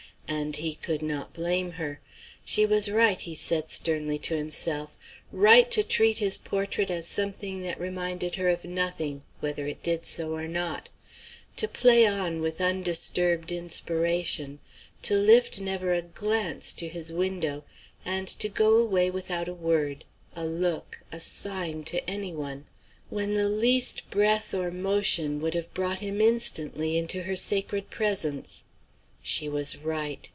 And he could not blame her. She was right, he said sternly to himself right to treat his portrait as something that reminded her of nothing, whether it did so or not; to play on with undisturbed inspiration; to lift never a glance to his window; and to go away without a word, a look, a sign, to any one, when the least breath or motion would have brought him instantly into her sacred presence. She was right.